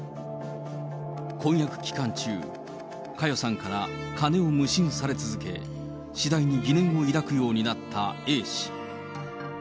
婚約期間中、佳代さんから金を無心され続け、次第に疑念を抱くようになったＡ氏。